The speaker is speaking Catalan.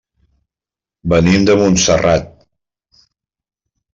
Venim de Montserrat.